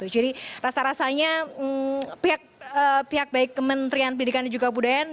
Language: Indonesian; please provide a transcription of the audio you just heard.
jadi rasa rasanya pihak baik kementerian pendidikan dan juga kebudayaan